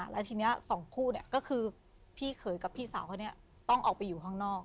แล้วทีนี้สองคู่ก็คือพี่เขยกับพี่สาวเขาเนี่ยต้องออกไปอยู่ข้างนอก